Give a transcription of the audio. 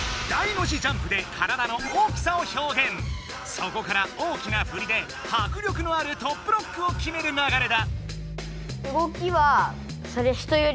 そこから大きなふりで迫力のあるトップロックをきめる流れだ。